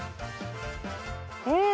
うん！